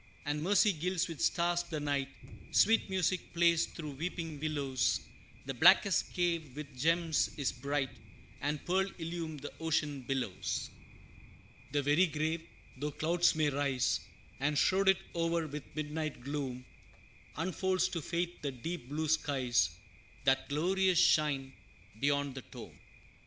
And mercy gilds with stars the night; Sweet music plays through weeping willows; The blackest cave with gems is bright, And pearls illume the ocean billows. The very grave, though clouds may rise, And shroud it o'er with midnight gloom, Unfolds to faith the deep blue skies, That glorious shine beyond the tomb.